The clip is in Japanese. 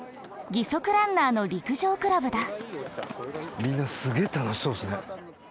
義足ランナーの陸上クラブだ。